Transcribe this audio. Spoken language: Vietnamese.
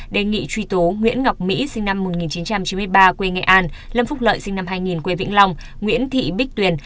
đề nghị truy tố nguyễn ngọc mỹ sinh năm một nghìn chín trăm chín mươi ba quê nghệ an lâm phúc lợi sinh năm hai nghìn quê vĩnh long nguyễn thị bích tuyền